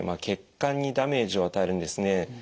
血管にダメージを与えるんですね。